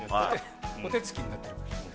お手つきになってる。